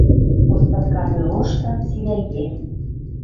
Остатка бюрошты цилӓге.